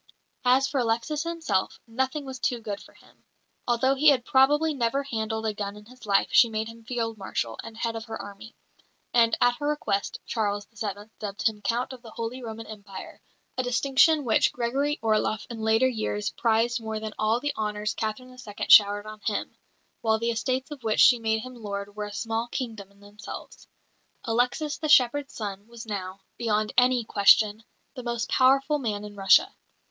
As for Alexis himself, nothing was too good for him. Although he had probably never handled a gun in his life she made him Field Marshal and head of her army; and, at her request, Charles VII. dubbed him Count of the Holy Roman Empire, a distinction which Gregory Orloff in later years prized more than all the honours Catherine II. showered on him; while the estates of which she made him lord were a small kingdom in themselves. Alexis, the shepherd's son, was now, beyond any question, the most powerful man in Russia.